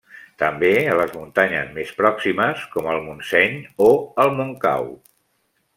També a les muntanyes més pròximes, com el Montseny o el Montcau.